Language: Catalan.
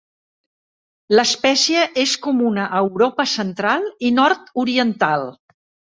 L'espècie és comuna a Europa central i nord-oriental.